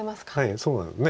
そうなんです。